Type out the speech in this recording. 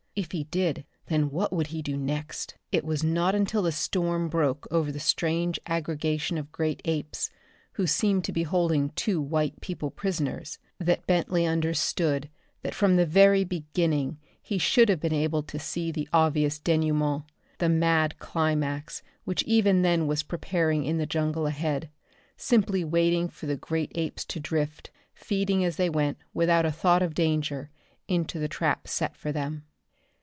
If he did, then what would he do next? It was not until the storm broke over the strange aggregation of great apes, who seemed to be holding two white people prisoners, that Bentley understood that from the very beginning he should have been able to see the obvious denouement the mad climax which even then was preparing in the jungle ahead, simply waiting for the great apes to drift, feeding as they went without a thought of danger, into the trap set for them.